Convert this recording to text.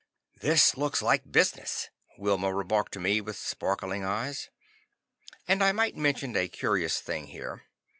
] "This looks like business," Wilma remarked to me with sparkling eyes. (And I might mention a curious thing here.